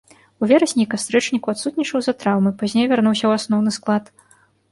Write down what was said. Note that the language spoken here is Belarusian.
У верасні і кастрычніку адсутнічаў з-за траўмы, пазней вярнуўся ў асноўны склад.